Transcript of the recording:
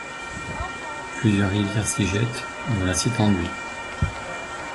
Plusieurs rivières s'y jettent, dont la Citanduy.